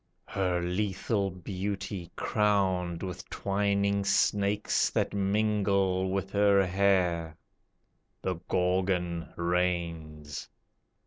Her lethal beauty crowned with twining snakes That mingle with her hair, the Gorgon reigns.